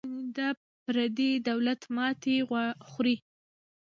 دا پردی دولت ماتې خوري.